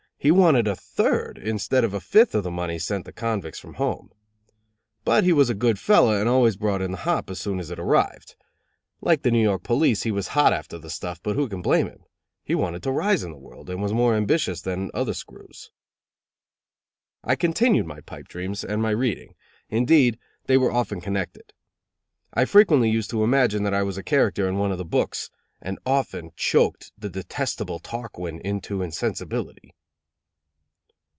He wanted a third instead of a fifth of the money sent the convicts from home. But he was a good fellow, and always brought in the hop as soon as it arrived. Like the New York police he was hot after the stuff, but who can blame him? He wanted to rise in the world, and was more ambitious than the other screws. I continued my pipe dreams, and my reading; indeed, they were often connected. I frequently used to imagine that I was a character in one of the books; and often choked the detestable Tarquin into insensibility.